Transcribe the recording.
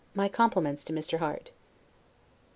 My compliments to Mr. Harte.